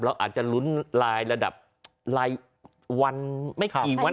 เราอาจจะลุ้นลายระดับรายวันไม่กี่วัน